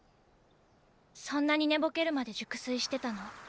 そんなに寝ぼけるまで熟睡してたの？